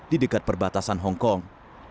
di dekat perbatasan hong kong